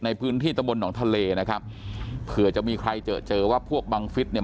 ในพื้นที่ตะบนหนองทะเลนะครับเผื่อจะมีใครเจอเจอว่าพวกบังฟิศเนี่ย